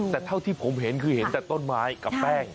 แต่เท่าที่ผมเห็นคือเห็นแต่ต้นไม้กับแป้ง